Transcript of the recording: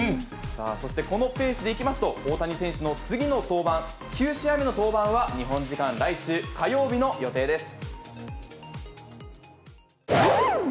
そしてこのペースでいきますと、大谷選手の次の登板、９試合目の登板は、日本時間来週火曜日の予定です。